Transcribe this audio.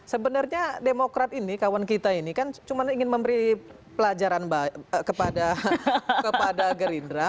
sebenarnya demokrat ini kawan kita ini kan cuma ingin memberi pelajaran kepada gerindra